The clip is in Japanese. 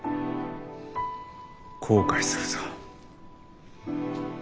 後悔するぞ。